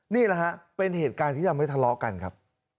นี่แหละฮะเป็นเหตุการณ์ที่ทำให้ทะเลาะกันครับ